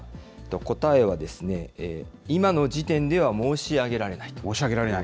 答えは、今の時点では申し上げられないと。